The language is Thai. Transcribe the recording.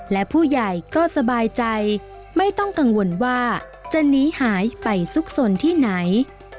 และผู้ใหญ่ก็สบายใจไม่ต้องกังวลว่าจะหนีหายไปซุกสนที่ไหน